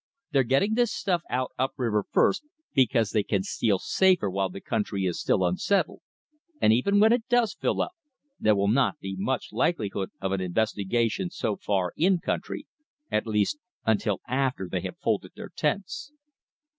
They're getting this stuff out up river first, because they can steal safer while the country is still unsettled; and even when it does fill up, there will not be much likelihood of an investigation so far in country, at least until after they have folded their tents."